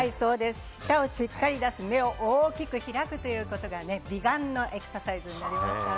舌をしっかり出す、目を大きく開くということが美顔のエクササイズになりますから。